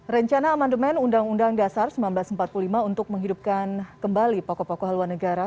rencana amandemen undang undang dasar seribu sembilan ratus empat puluh lima untuk menghidupkan kembali pokok pokok haluan negara